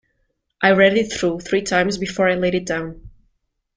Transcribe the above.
I read it through three times before I laid it down.